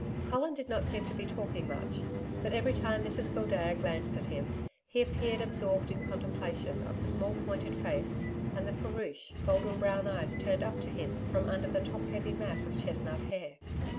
Colin did not seem to be talking much, but every time Mrs Gildea glanced at him, he appeared absorbed in contemplation of the small pointed face and the farouche, golden brown eyes turned up to him from under the top heavy mass of chestnut hair.